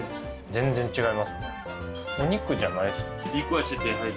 全然違いますね。